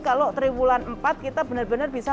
kalau triwulan empat kita benar benar bisa